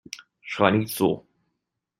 Schrei nicht so!